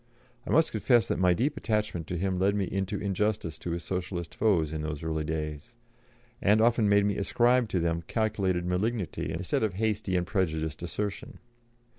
I must confess that my deep attachment to him led me into injustice to his Socialist foes in those early days, and often made me ascribe to them calculated malignity instead of hasty and prejudiced assertion.